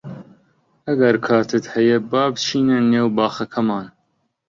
ئەگەر کاتت هەیە با بچینە نێو باخەکەمان.